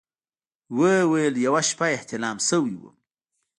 ويې ويل يوه شپه احتلام سوى وم.